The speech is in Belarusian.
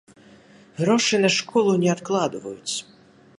Грошы на школу не адкладваюць.